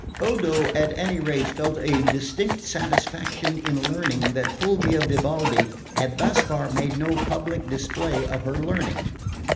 Odo, at any rate, felt a distinct satisfaction in learning that Fulvia Vivaldi had thus far made no public display of her learning.